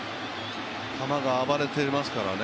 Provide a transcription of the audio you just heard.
球が暴れてますからね